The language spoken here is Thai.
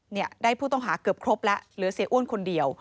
เนี่ยได้ผู้ต้องหาเกือบครบแล้วเหลือเสียอ้วนคนเดียว